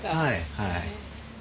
はい。